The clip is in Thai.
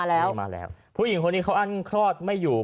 พวกผู้หญิงคนนี้เขาอั้นครอดไม่อยู่